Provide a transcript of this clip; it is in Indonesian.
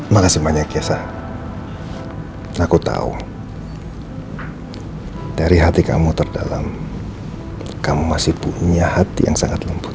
makasih banyak kiasa aku tahu dari hati kamu terdalam kamu masih punya hati yang sangat lembut